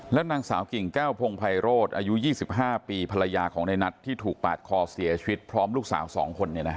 นางสาวกิ่งแก้วพงภัยโรธอายุ๒๕ปีภรรยาของในนัทที่ถูกปาดคอเสียชีวิตพร้อมลูกสาว๒คน